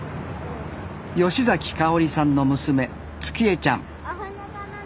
吉かおりさんの娘月絵ちゃん。